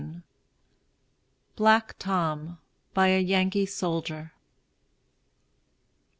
] BLACK TOM. BY A YANKEE SOLDIER.